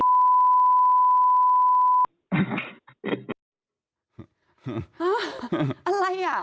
ฮะอะไรอ่ะ